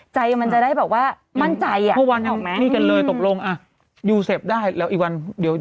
ก็จะได้มั่นใจ